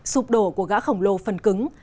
sụp đổ của gã khổng lồ phần cứng